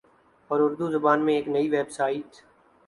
اور اردو زبان میں ایک نئی ویب سائٹ